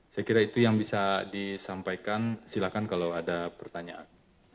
saya kira itu yang bisa disampaikan silakan kalau ada pertanyaan